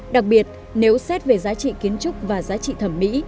đặc biệt nếu xét về giá trị kiến trúc và giá trị thẩm mỹ